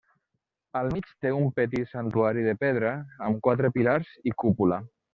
Al mig té un petit santuari de pedra, amb quatre pilars i cúpula.